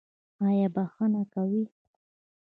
ایا بخښنه کوئ؟